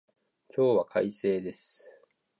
今日は快晴です